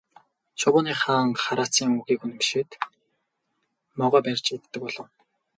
Шувууны хаан хараацайн үгийг үнэмшээд могой барьж иддэг болов гэнэ.